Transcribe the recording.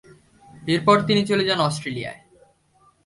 এরপর তিনি চলে যান অস্ট্রেলিয়ায়।